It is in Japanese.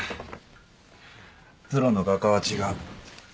プロの画家は違う。